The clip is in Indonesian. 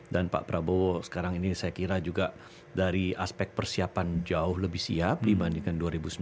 dan pak prabowo sekarang ini saya kira juga dari aspek persiapan jauh lebih siap dibandingkan dua ribu sembilan belas